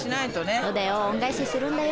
そうだよ恩返しするんだよ。